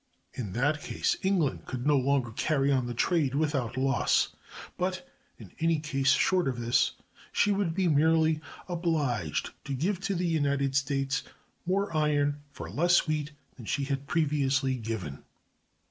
In that case, England could no longer carry on the trade without loss; but, in any case short of this, she would merely be obliged to give to the United States more iron for less wheat than she had previously given.